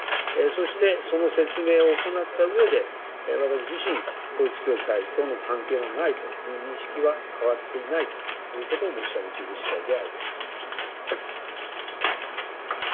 そしてその説明を行ったうえで私自身統一教会との関係はないという認識は変わっていないということを申し上げている次第でございます。